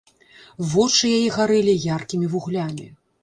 Вочы яе гарэлі яркімі вуглямі.